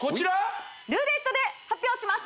ルーレットで発表します